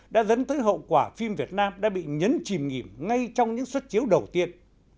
đã dẫn tới hậu quả phim việt nam đã bị nhấn chìm nghỉm ngay trong những xuất chiếu đầu tiên